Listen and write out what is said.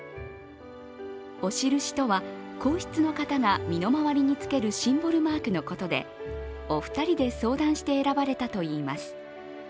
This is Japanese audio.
お印とは、皇室の方が身の回りにつけるシンボルマークのことでお二人で相談して選ばれたといいます。